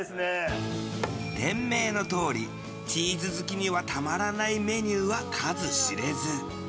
店名のとおりチーズ好きにはたまらないメニューは数知れず。